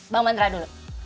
bang mandra dulu